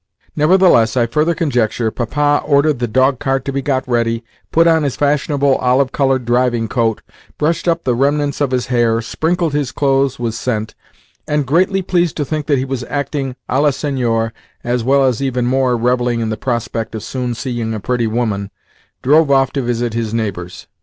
Nevertheless, I further conjecture, Papa ordered the dogcart to be got ready, put on his fashionable olive coloured driving coat, brushed up the remnants of his hair, sprinkled his clothes with scent, and, greatly pleased to think that he was acting a la seignior (as well as, even more, revelling in the prospect of soon seeing a pretty woman), drove off to visit his neighbours.